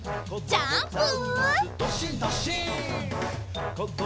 ジャンプ！